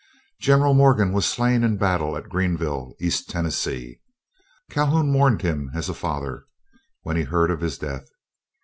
General Morgan was slain in battle at Greenville, East Tennessee. Calhoun mourned him as a father, when he heard of his death.